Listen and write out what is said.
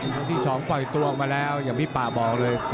ยกที่๒ควยตัวมาแล้วอย่างพี่ป้าบอกเลย